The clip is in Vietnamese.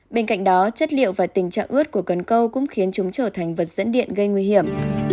bên cạnh đó chất liệu và tình trạng ướt của cần câu cũng khiến chúng trở thành vật dẫn điện gây nguy hiểm